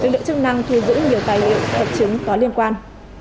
lực lượng chức năng thu giữ nhiều tài liệu vật chứng có liên quan